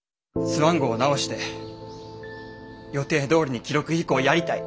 スワン号を直して予定どおりに記録飛行やりたい。